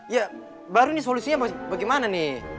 ya baru nih solusinya pak bagaimana nih